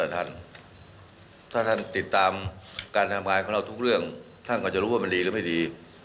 ท่านก็จะรู้ว่ามันดีหรือไม่ดี